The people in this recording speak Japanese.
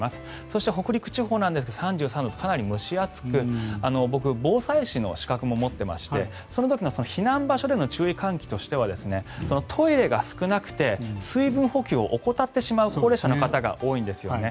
そして北陸地方ですが３３度とかなり蒸し暑く僕、防災士の資格も持っていましてその時の避難場所での注意喚起としてはトイレが少なくて水分補給を怠ってしまう高齢者の方が多いんですよね。